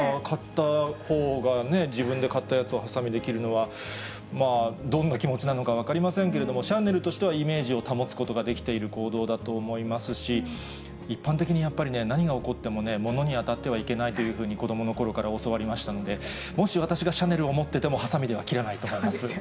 買ったほうがね、自分で買ったやつをはさみで切るのは、まあ、どんな気持ちなのか分かりませんけれども、シャネルとしてはイメージを保つことができている行動だと思いますし、一般的にやっぱりね、何が起こっても、物に当たってはいけないというふうに子どものころから教わりましたので、もし私がシャネルを持っていても、はさみでは切らないと思います。